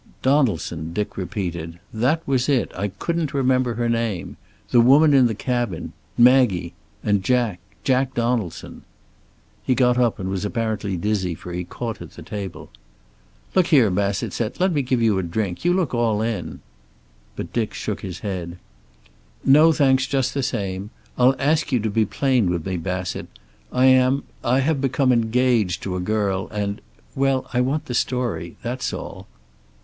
"Donaldson," Dick repeated. "That was it. I couldn't remember her name. The woman in the cabin. Maggie. And Jack. Jack Donaldson." He got up, and was apparently dizzy, for he caught at the table. "Look here," Bassett said, "let me give you a drink. You look all in." But Dick shook his head. "No, thanks just the same. I'll ask you to be plain with me, Bassett. I am I have become engaged to a girl, and well, I want the story. That's all."